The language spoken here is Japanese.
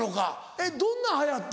えっどんなん流行った？